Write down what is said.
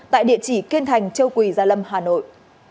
tại địa chỉ kiên thành châu quỳ gia lâm hà nội